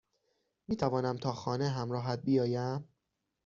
میتوانم تا خانه همراهت بیایم؟